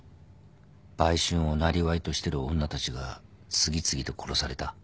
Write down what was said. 売春をなりわいとしてる女たちが次々と殺された。